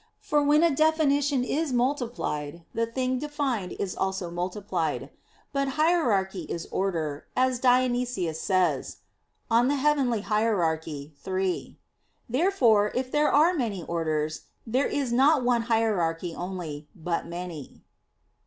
For when a definition is multiplied, the thing defined is also multiplied. But hierarchy is order, as Dionysius says (Coel. Hier. iii). Therefore, if there are many orders, there is not one hierarchy only, but many.